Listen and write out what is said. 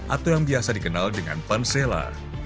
atau yang biasa dikenal dengan pansella